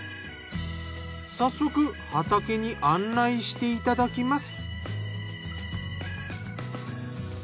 早速畑に案内していただきます。